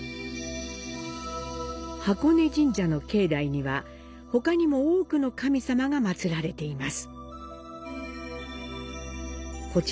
箱根神社の境内には、ほかにも多くの神様が祀られています。